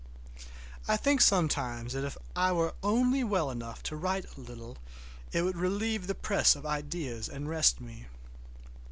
I think sometimes that if I were only well enough to write a little it would relieve the press of ideas and rest me.